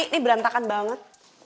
ini berantakan banget